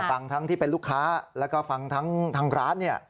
ฟังทั้งที่เป็นลูกค้าแล้วก็ฟังทั้งทางร้านเนี่ย